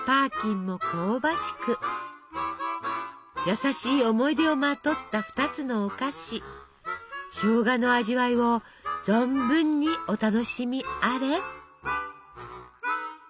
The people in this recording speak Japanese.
優しい思い出をまとった２つのお菓子しょうがの味わいを存分にお楽しみあれ！